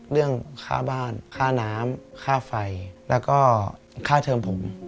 เรื่องค่าบ้านค่าน้ำค่าไฟแล้วก็ค่าเทิมผม